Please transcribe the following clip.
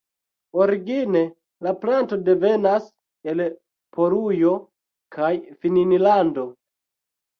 Origine la planto devenas el Polujo kaj Finnlando.